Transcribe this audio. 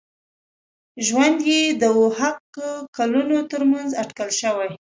ژوند یې د او ه ق کلونو تر منځ اټکل شوی.